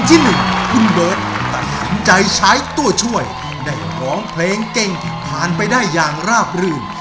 ที่เบิ้ดต้องทำใจใช้ตัวช่วยได้ร้องเพลงเก่งผ่านไปได้อย่างราบลื่น